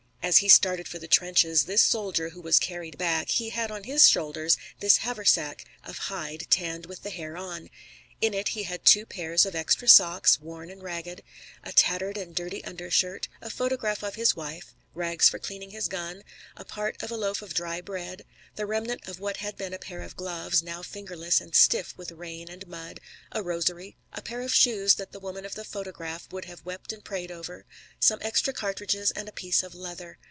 As he started for the trenches, this soldier who was carried back, he had on his shoulders this haversack of hide tanned with the hair on. In it he had two pairs of extra socks, worn and ragged, a tattered and dirty undershirt, a photograph of his wife, rags for cleaning his gun, a part of a loaf of dry bread, the remnant of what had been a pair of gloves, now fingerless and stiff with rain and mud, a rosary, a pair of shoes that the woman of the photograph would have wept and prayed over, some extra cartridges and a piece of leather.